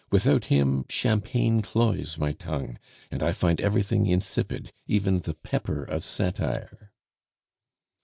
Without him champagne cloys my tongue, and I find everything insipid, even the pepper of satire."